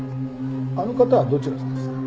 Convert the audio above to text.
あの方はどちら様ですか？